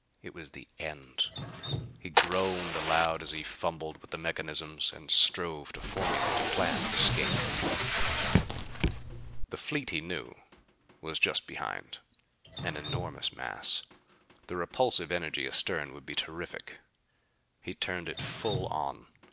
It was the end! He groaned aloud as he fumbled with the mechanisms and strove to formulate a plan of escape. The fleet, he knew, was just behind. An enormous mass. The repulsive energy astern would be terrific. He turned it full on.